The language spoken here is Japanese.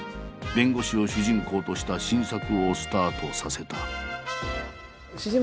弁護士を主人公とした新作をスタートさせた。